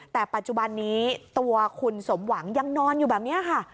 แต่ปัจจุบันนี้ตัวคุณสมหวังยังนอนอยู่แบบนี้ค่ะ